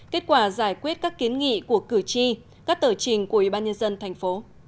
kết quả giải quyết các kiến nghị của cử tri các tờ trình của ubnd tp